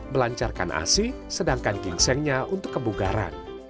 melancarkan asi sedangkan gingsengnya untuk kebugaran